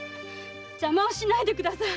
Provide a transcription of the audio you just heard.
邪魔をしないでください。